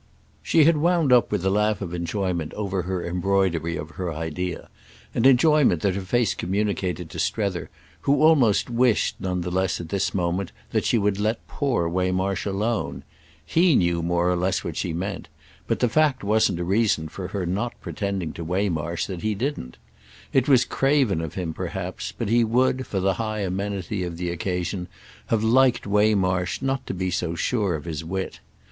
She had wound up with a laugh of enjoyment over her embroidery of her idea—an enjoyment that her face communicated to Strether, who almost wished none the less at this moment that she would let poor Waymarsh alone. He knew more or less what she meant; but the fact wasn't a reason for her not pretending to Waymarsh that he didn't. It was craven of him perhaps, but he would, for the high amenity of the occasion, have liked Waymarsh not to be so sure of his wit.